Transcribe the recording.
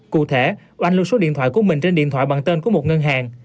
cụ thể oanh lưu số điện thoại của mình trên điện thoại bằng tên của một ngân hàng